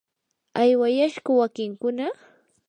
¿aywayashku wakinkuna?